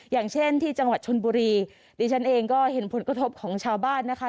อย่างเช่นที่จังหวัดชนบุรีดิฉันเองก็เห็นผลกระทบของชาวบ้านนะคะ